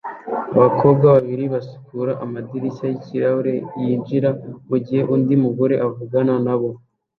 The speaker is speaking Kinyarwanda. Abakobwa babiri basukura amadirishya yikirahure yinjira mugihe undi mugore avugana nabo